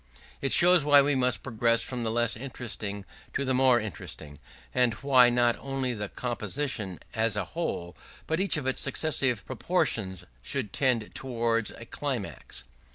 It shows why we must progress from the less interesting to the more interesting; and why not only the composition as a whole, but each of its successive portions, should tend towards a climax.